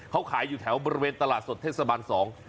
เขาขายอยู่แถวบริเวณตลาดสดเทศบาลสอง